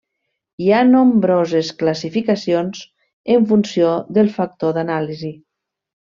Hi ha nombroses classificacions, en funció del factor d'anàlisi.